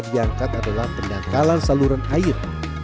karena sudah segera diangkat adalah penangkalan saluran air